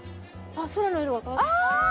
空の色が変わった。